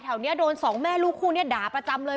นี้โดนสองแม่ลูกคู่นี้ด่าประจำเลย